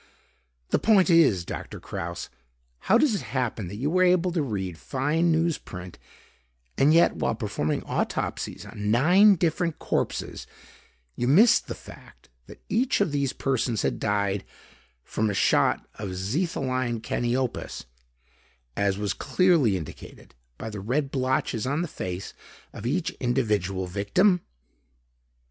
"The point is, Doctor Kraus, how does it happen that you are able to read fine news print and yet, while performing autopsies on nine different corpses, you missed the fact that each of those persons had died from a shot of xetholine caniopus as was clearly indicated by the red blotches on the face of each individual victim?"